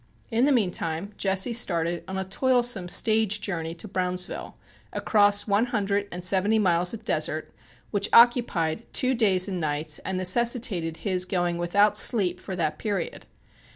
In the meantime, Jesse started on a toilsome stage journey to Brownsville, across one hundred and seventy miles of desert, which occupied two days and nights, and necessitated his going without sleep for that period.